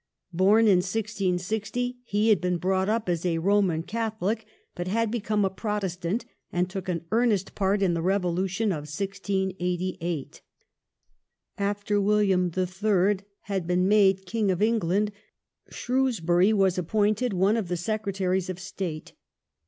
Born in 1660, he had been brought up as a Eoman Catholic, but had become a Protestant and iook an earnest part in the Ee volution of 1688. After William III. had been made King of England, Shrewsbury was appointed one of the Secretaries of State.